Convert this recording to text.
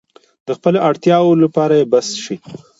د خپلو اړتیاوو لپاره يې بس شي.